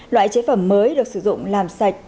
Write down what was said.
loại chế phẩm mới được sử dụng làm sạch